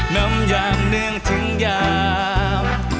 นำยามเนื่องถึงยาม